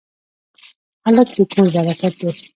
هلک د کور برکت دی.